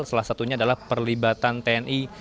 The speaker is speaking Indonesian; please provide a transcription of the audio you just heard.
salah satunya adalah perlibatan tni